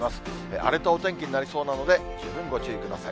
荒れたお天気になりそうなので、十分ご注意ください。